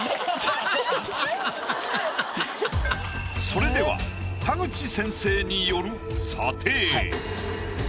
それでは田口先生による。